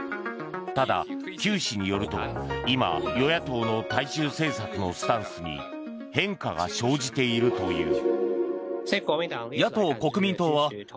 ただ、キュウ氏によると今与野党の対中政策のスタンスに変化が生じているという。